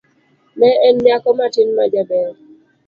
Ne en nyako matin majaber.